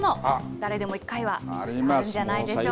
誰でも一回はあるんじゃないでしょうか？